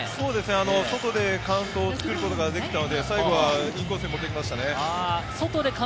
外でカウントをつくることができたので、最後はインコースに持っていきましたね。